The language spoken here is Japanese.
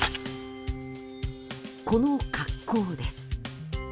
この格好です。